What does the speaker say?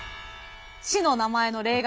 市の名前の例外